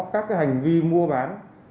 các hành vi mua bán